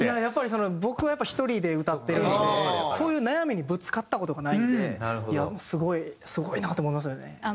やっぱりその僕は１人で歌ってるんでそういう悩みにぶつかった事がないんでいやすごいすごいなと思いますよね。